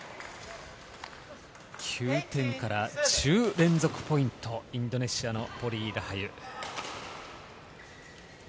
９点から１０連続ポイント、インドネシアのポリイ、ラハユ。